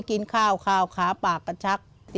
กินข้าวค่าปากก็ชัก